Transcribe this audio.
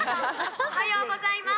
おはようございます。